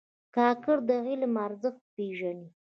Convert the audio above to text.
کاکړ د علم ارزښت پېژني.